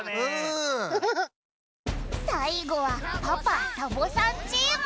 さいごはパパ＆サボさんチーム。